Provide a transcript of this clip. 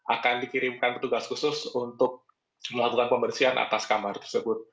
akan dikirimkan petugas khusus untuk melakukan pembersihan atas kamar tersebut